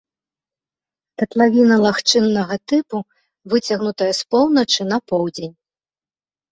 Катлавіна лагчыннага тыпу, выцягнутая з поўначы на поўдзень.